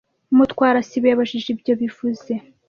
Mutwara sibo yibajije ibyo bivuze.